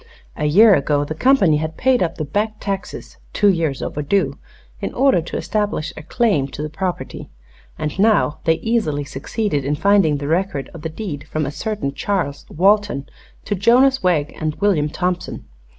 A year ago the company had paid up the back taxes two years overdue in order to establish a claim to the property, and now they easily succeeded in finding the record of the deed from a certain Charles Walton to Jonas Wegg and William Thompson.